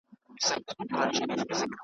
ګیدړ هم له خوشالیه کړې نڅاوي .